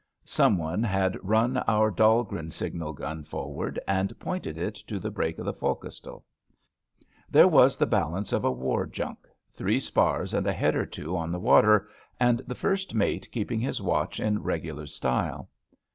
Some one had run our Dahl gren signal gun forward and pointed it to the break of the fo'c'sle. There was the balance of a war junk — ^three spars and a head or two on the water, and the first mate keeping his watch in regular style.